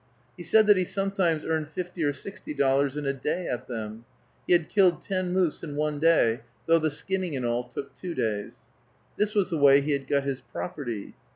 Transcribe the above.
He said that he sometimes earned fifty or sixty dollars in a day at them; he had killed ten moose in one day, though the skinning and all took two days. This was the way he had got his property.